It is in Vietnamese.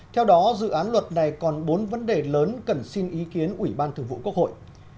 theo đó dự án luật này còn bốn vấn đề lớn cần xin ý kiến ủy ban thường vụ quốc hội